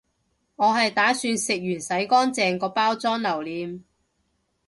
我係打算食完洗乾淨個包裝留念